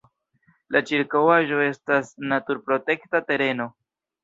La ĉirkaŭaĵo estas naturprotekta tereno.